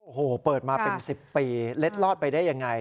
โอ้โหเปิดมาเป็น๑๐ปีเล็ดลอดไปได้ยังไง